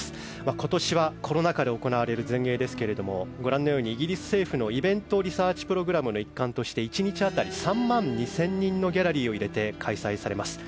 今年はコロナ禍で行われる全英ですがご覧のようにイギリス政府のイベントリサーチプログラムの一環として１日当たり３万２０００人のギャラリーを入れて開催されます。